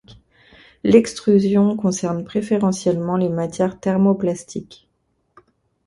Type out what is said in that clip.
L'extrusion concerne préférentiellement les matières thermoplastiques.